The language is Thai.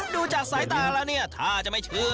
ดูจากสายตาแล้วเนี่ยถ้าจะไม่เชื่อ